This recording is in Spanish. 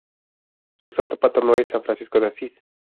Su santo patrono es san Francisco de Asís.